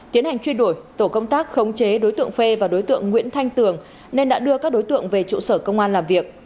tiến hành chuyên đổi tổ công tác khống chế đối tượng phê và đối tượng nguyễn thanh tường nên đã đưa các đối tượng về trụ sở công an làm việc